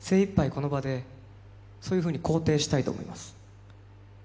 この場で、そういうふうに肯定したいと思います。